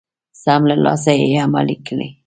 سم له لاسه يې عملي کړئ.